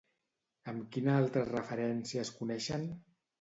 Amb quina altra referència es coneixen?